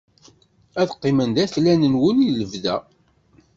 Ad qqimen d aklan-nwen i lebda